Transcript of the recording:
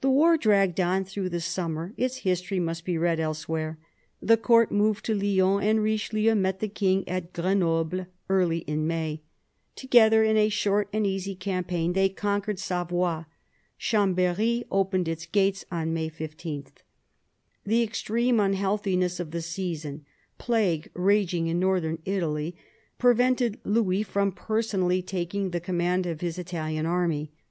The war dragged on through the summer ; its history must be read elsewhere. The Court moved to Lyons, and Richelieu met the King at Grenoble early in May. To gether, in a short and easy campaign, they conquered Savoy. Chambery opened its gates on May 15. The extreme unhealthiness of the season — plague rag ing in Northern Italy — prevented Louis from personally taking the command of his Italian army.